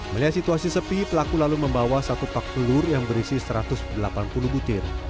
melihat situasi sepi pelaku lalu membawa satu pak telur yang berisi satu ratus delapan puluh butir